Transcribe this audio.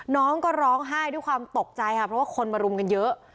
น้องก็ร้องไห้ด้วยความตกใจค่ะเพราะว่าคนมารุมกันเยอะ